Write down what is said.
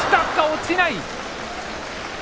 落ちない！